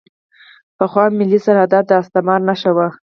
پخوا ملي سرحدات د استعمار نښه وو.